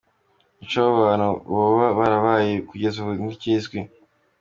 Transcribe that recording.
Ico abo bantu boba barabaye kugez'ubu ntikizwi.